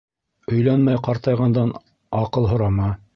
Өйләнмәй ҡартайғандан аҡыл һорама.